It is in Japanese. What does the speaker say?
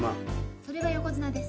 それは横綱です。